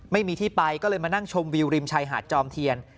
ไม่มีที่ไปก็เลยมานั่งชมวิวริมชายหาดจอมเทียน